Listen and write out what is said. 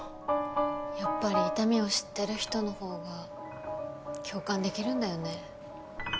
やっぱり痛みを知ってる人のほうが共感できるんだよね。